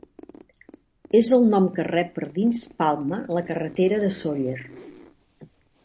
És el nom que rep per dins Palma la carretera de Sóller.